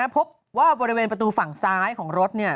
พบว่าบริเวณประตูฝั่งซ้ายของรถ